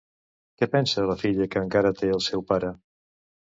Què pensa la filla que encara té el seu pare?